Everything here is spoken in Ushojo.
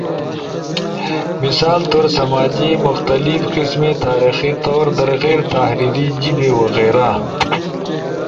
[مثال طور سماجی، مختلف قسمے تاریخی طور در غیر تحریری جیبے وغیرہ]